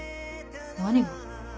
何が？